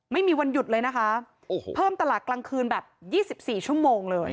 ไม่มีวันหยุดเลยนะคะโอ้โหเพิ่มตลาดกลางคืนแบบ๒๔ชั่วโมงเลย